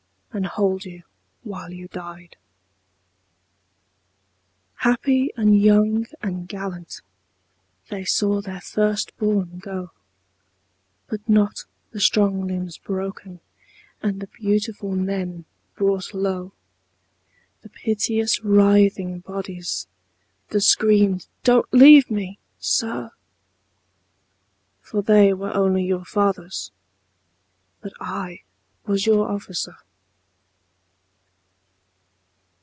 And hold you while you died. Happy and young and gallant, They saw their first bom go, 41 But not the strong limbs broken And the beautiful men brought low, The piteous writhing bodies, The screamed, " Don't leave me, Sir," For they were only your fathers But I was your officer.